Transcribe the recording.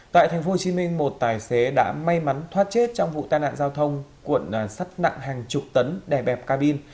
tại tp hcm một tài xế đã may mắn thoát chết trong vụ tai nạn giao thông cuộn sắt nặng hàng chục tấn đè bẹp ca bin